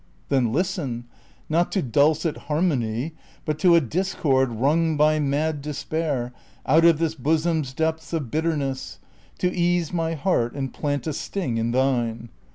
Then listen, not to dulcet harmony, But to a discord wrung by nuid despair Out of this bosom's depths of bitterness, To ease my heart and plant a sting in thine.